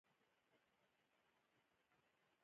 موټر د روغتیا لپاره پاملرنه غواړي.